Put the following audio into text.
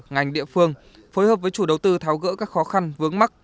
ngành địa phương phối hợp với chủ đầu tư tháo gỡ các khó khăn vướng mắt